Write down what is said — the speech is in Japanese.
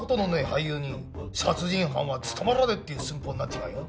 俳優に殺人犯は務まらないっていう寸法になっちまうよ。